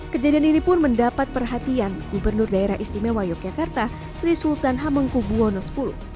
kejadian ini pun mendapat perhatian gubernur daerah istimewa yogyakarta sri sultan hamengkubuwono x